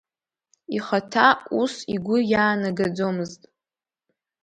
Ихаҭа ус игәы иаанагаӡомызт.